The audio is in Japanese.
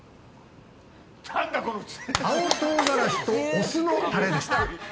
青唐辛子とお酢のタレでした。